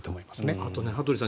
あと羽鳥さん